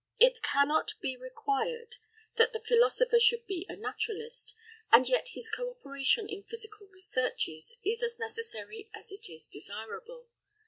It cannot be required that the philosopher should be a naturalist, and yet his co operation in physical researches is as necessary as it is desirable.